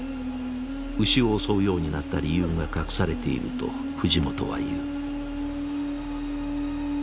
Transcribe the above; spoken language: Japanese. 牛を襲うようになった理由が隠されていると藤本は言う。